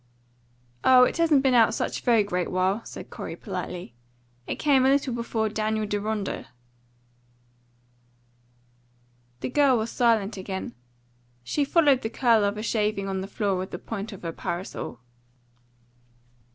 "Oh, it hasn't been out such a very great while," said Corey politely. "It came a little before DANIEL DERONDA." The girl was again silent. She followed the curl of a shaving on the floor with the point of her parasol.